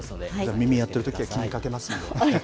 耳やってるときは気にかけますので。